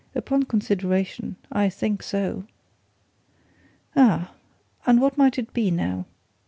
"Upon consideration, I think so!" "Ah and what might it be, now?"